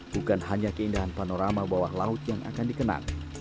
bukan hanya keindahan panorama bawah laut yang akan dikenang